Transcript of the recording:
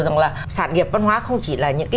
rằng là sản nghiệp văn hóa không chỉ là những cái